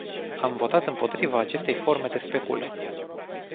Am votat împotriva acestei forme de speculă.